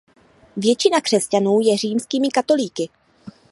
Většina křesťanů je římskými katolíky.